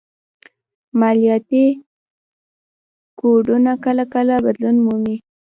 مالياتي کوډونه کله کله بدلون مومي